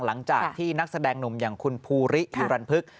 หลังจากที่นักแสดงหนุ่มอย่างคุณภูริฮิรันพึก